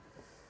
sebelum itu ya